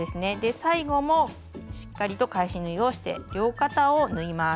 最後もしっかりと返し縫いをして両肩を縫います。